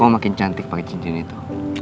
makin cantik pake cincin itu